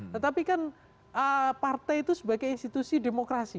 tetapi kan partai itu sebagai institusi demokrasi